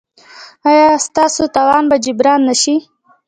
ایا ستاسو تاوان به جبران نه شي؟